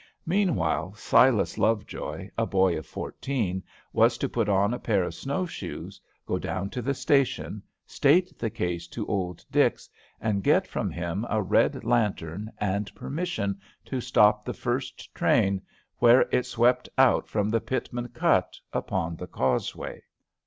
Meanwhile, Silas Lovejoy, a boy of fourteen, was to put on a pair of snow shoes, go down to the station, state the case to old Dix, and get from him a red lantern and permission to stop the first train where it swept out from the Pitman cut upon the causeway.